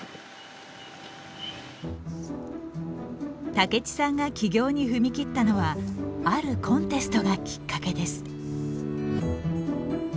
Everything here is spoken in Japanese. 武智さんが起業に踏み切ったのはあるコンテストがきっかけです。